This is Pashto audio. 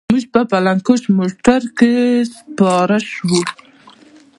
موږ په فلاينګ کوچ موټر کښې سپاره سو.